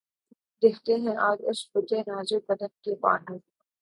دکھتے ہیں آج اس بتِ نازک بدن کے پانو